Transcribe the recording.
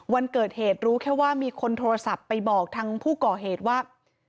วันเกิดเหตุรู้แค่ว่ามีคนโทรศัพท์ไปบอกทางผู้ก่อเหตุว่า